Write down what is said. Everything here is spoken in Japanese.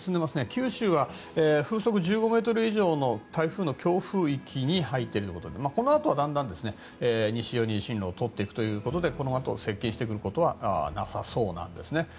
九州は風速１５ｍ以上の台風の強風域に入っているということでこのあとはだんだん西寄りに進路を取っていくということでこのあと、接近してくることはなさそうなんですね。